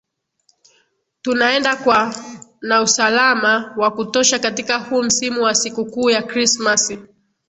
tunaenda kwa na usalama wa kutosha katika huu msimu wa sikukuu ya krismasi